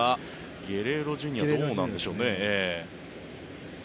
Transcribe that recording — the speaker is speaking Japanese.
ゲレーロＪｒ．どうなんでしょうね。